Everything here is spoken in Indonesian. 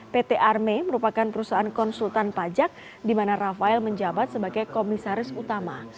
pt arme merupakan perusahaan konsultan pajak di mana rafael menjabat sebagai komisaris utama